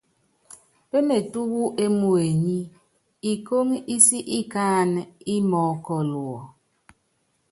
Pémetú wú émuenyí, ikóŋó ísi ikáanɛ́ ímɔɔ́kɔl wɔ.